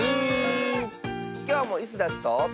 きょうもイスダスと。